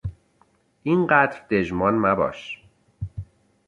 اینقدر دژمان مباش!